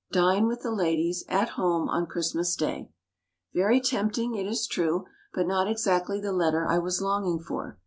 "Dine with the ladies at home on Christmas Day." Very tempting, it is true; but not exactly the letter I was longing for.